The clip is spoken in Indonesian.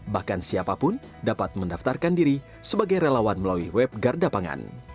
bahkan siapapun dapat mendaftarkan diri sebagai relawan melalui web garda pangan